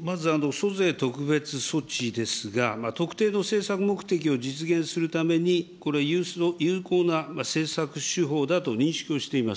まず、租税特別措置ですが、特定の政策目的を実現するために、これ、有効な政策手法だと認識をしています。